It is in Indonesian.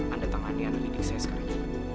anda tangani anak didik saya sekarang